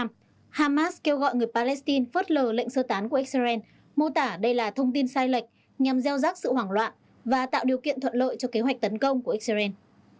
trong đó hamas kêu gọi người palestine phớt lờ lệnh sơ tán của israel mô tả đây là thông tin sai lệch nhằm gieo rắc sự hoảng loạn và tạo điều kiện thuận lợi cho kế hoạch tấn công của israel